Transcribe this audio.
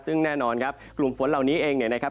ซึ่งแน่นอนครับกลุ่มฝนเหล่านี้เองเนี่ยนะครับ